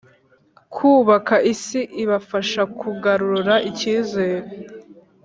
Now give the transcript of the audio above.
Kubaka isi ibafasha kugarura icyizere